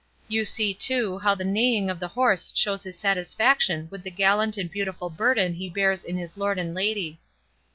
You see, too, how the neighing of the horse shows his satisfaction with the gallant and beautiful burden he bears in his lord and lady.